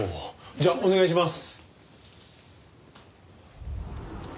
じゃあお願いします。